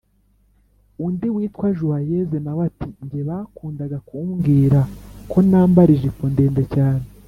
undi witwa joyeuse na we ati: “nge bakundaga kumbwira ko nambara ijipo ndende cyane”